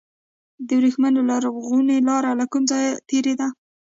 د وریښمو لرغونې لاره له کوم ځای تیریده؟